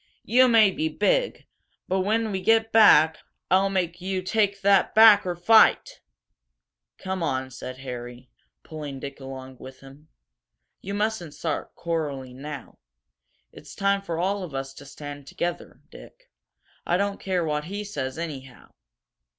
You may be big, but when we get back I'll make you take that back or fight " "Come on," said Harry, pulling Dick along with him. "You mustn't start quarreling now it's time for all of us to stand together, Dick. I don't care what he says, anyhow."